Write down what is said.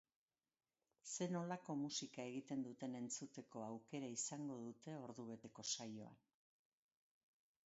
Zer nolako musika egiten duten entzuteko aukera izango dute ordubeteko saioan.